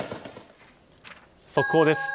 速報です。